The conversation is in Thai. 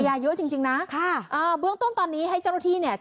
ยาเยอะจริงจริงนะค่ะอ่าเบื้องต้นตอนนี้ให้เจ้าหน้าที่เนี่ย